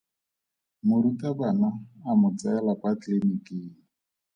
Morutabana a mo tseela kwa tleliniking.